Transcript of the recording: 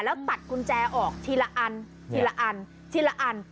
แล้วตัดกุญแจออกทีละอันทีละอันทีละอัน